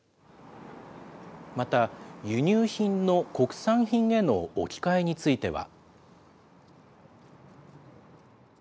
また、輸入品の国産品への置き換えについては。